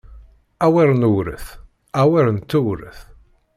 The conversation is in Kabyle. Awer newṛet, awer nettewṛet!